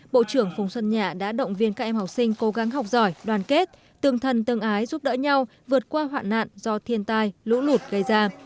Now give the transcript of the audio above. bộ trưởng phùng xuân nhạ đã động viên các em học sinh cố gắng học giỏi đoàn kết tương thân tương ái giúp đỡ nhau vượt qua hoạn nạn do thiên tai lũ lụt gây ra